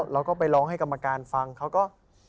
เราก็ไปร้องให้กรรมการฟังเขาก็